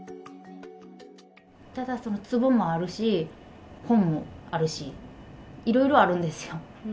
ただ、つぼもあるし、本もあるし、いろいろあるんですよ。